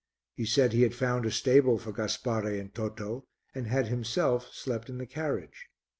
He said he had found a stable for Gaspare and Toto and had himself slept in the carriage.